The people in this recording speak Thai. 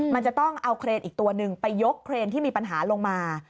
มันจะต้องเอาเครนอีกตัวหนึ่งไปยกเครนที่มีปัญหาลงมา